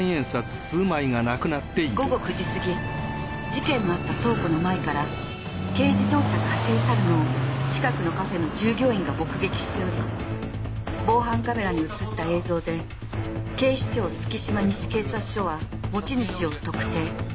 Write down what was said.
午後９時過ぎ事件のあった倉庫の前から軽自動車が走り去るのを近くのカフェの従業員が目撃しており防犯カメラに映った映像で警視庁月島西警察署は持ち主を特定。